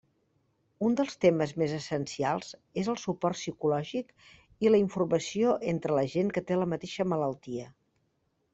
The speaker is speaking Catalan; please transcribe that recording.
Un dels temes més essencials és el suport psicològic i la informació entre la gent que té la mateixa malaltia.